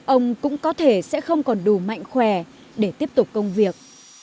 ông cũng có thể sẽ không còn đủ mạnh khỏe để tiếp tục công việc